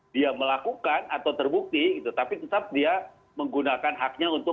dia melakukan atau terbukti tapi tetap dia menggunakan haknya untuk